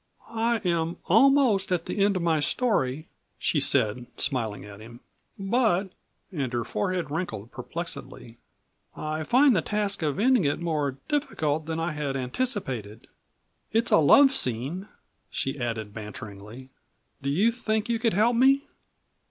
"I am almost at the end of my story," she said smiling at him. "But," and her forehead wrinkled perplexedly, "I find the task of ending it more difficult than I had anticipated. It's a love scene," she added banteringly; "do you think you could help me?"